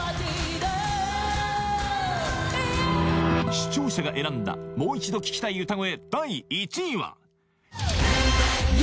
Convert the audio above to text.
視聴者が選んだもう一度聴きたい歌声